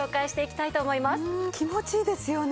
気持ちいいですよね